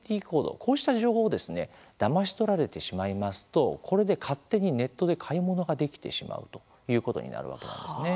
こうした情報をだまし取られてしまいますとこれで勝手にネットで買い物ができてしまうということになるわけなんですね。